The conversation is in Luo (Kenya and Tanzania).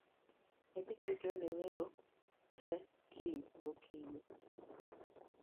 Ji abich biro tedo ne welo tee kiny go kinyi